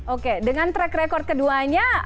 oke dengan track record keduanya